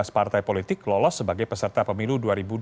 tujuh belas partai politik lolos sebagai peserta pemilu dua ribu dua puluh